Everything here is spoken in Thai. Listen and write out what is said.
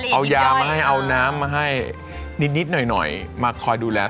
เอายามาให้เอาน้ำมาให้นิดหน่อยมาคอยดูแล